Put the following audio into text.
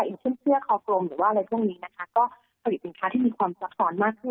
อย่างเช่นเสื้อคอกลมหรือว่าอะไรพวกนี้นะคะก็ผลิตสินค้าที่มีความซับซ้อนมากขึ้น